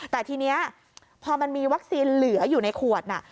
แต่ทีนี้พอมันมีวัคซีนเหลืออยู่ในขวดน่ะ